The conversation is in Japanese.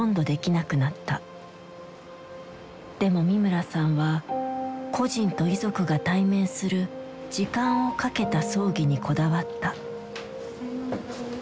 でも三村さんは故人と遺族が対面する時間をかけた葬儀にこだわった。